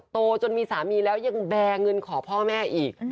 โตจนมีสามีแล้วยังแบร์เงินขอพ่อแม่อีก